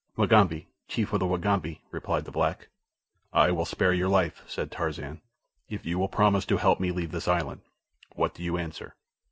"Mugambi, chief of the Wagambi," replied the black. "I will spare your life," said Tarzan, "if you will promise to help me to leave this island. What do you answer?"